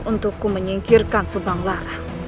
untukku menyingkirkan subang lara